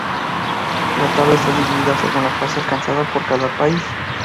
La tabla está dividida según la fase alcanzada por cada país.